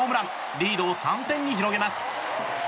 リードを３点に広げます。